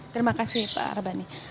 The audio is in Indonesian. terima kasih pak arbani